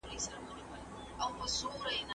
څه ډول مالیات عادلانه دي؟